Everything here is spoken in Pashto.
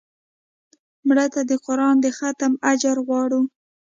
مړه ته د قرآن د ختم اجر غواړو